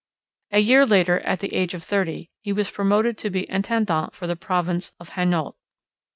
A year later, at the age of thirty, he was promoted to be intendant for the province of Hainault.